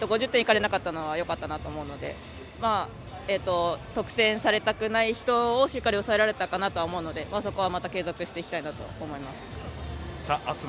５０点いかれなかったのはよかったなと思うので得点されたくない人をしっかり抑えられたかなとは思うのでそこは継続していきたいなと思います。